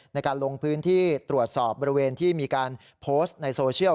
ในการลงพื้นที่ตรวจสอบบริเวณที่มีการโพสต์ในโซเชียล